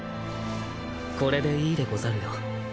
これでいいでござるよ。